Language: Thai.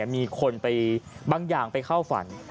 มีคนไปบางอย่างไปเข้าฝัน